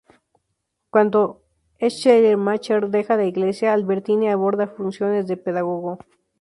Cuando Schleiermacher deja la iglesia, Albertini aborda funciones de pedagogo.